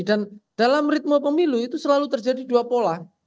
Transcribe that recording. dan dalam ritme pemilu itu selalu terjadi dua pola